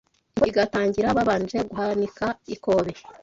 Imihigo igatangira babanje guhanika ikobe